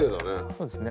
そうですね。